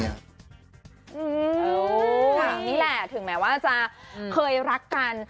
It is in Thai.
นี่แหละถึงแม้ว่าจะเคยรักกัน